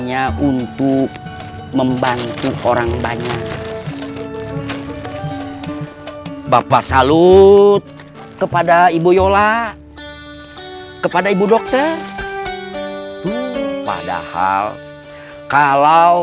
nya untuk membantu orang banyak bapak salut kepada ibu yola kepada ibu dokter padahal kalau